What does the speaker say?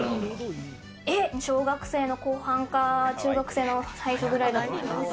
小学生の後半か中学生の最初くらいだと思います。